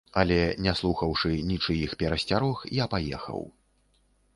Але, не слухаўшы нічыіх перасцярог, я паехаў.